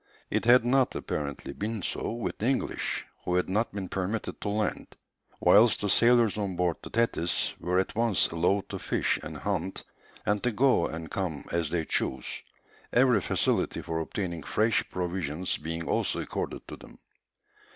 It had not, apparently, been so with the English, who had not been permitted to land, whilst the sailors on board the Thetis were at once allowed to fish and hunt, and to go and come as they chose, every facility for obtaining fresh provisions being also accorded to them.